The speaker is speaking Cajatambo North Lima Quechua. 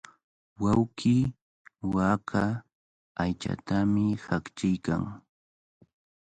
Wawqii waaka aychatami haqchiykan.